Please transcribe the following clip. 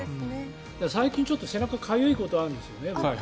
最近、ちょっと背中かゆいことがあるんですよね。